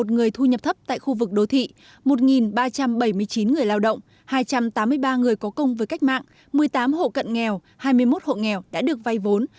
một người thu nhập thấp tại khu vực đô thị một ba trăm bảy mươi chín người lao động hai trăm tám mươi ba người có công với cách mạng một mươi tám hộ cận nghèo hai mươi một hộ nghèo đã được vay vốn